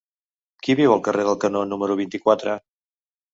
Qui viu al carrer del Canó número vint-i-quatre?